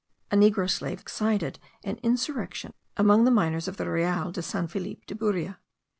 A negro slave excited an insurrection among the miners of the Real de San Felipe de Buria.